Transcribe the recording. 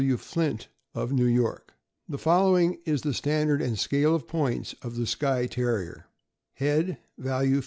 W. Flint, of New York.* The following is the standard and scale of points of the Skye Terrier : Value. Value.